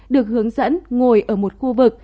được hướng dẫn ngồi ở một khu vực